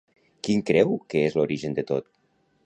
Quin creu que és l'origen de tot?